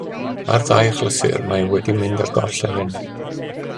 Ar ddau achlysur mae wedi mynd ar goll eleni